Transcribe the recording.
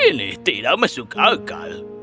ini tidak masuk akal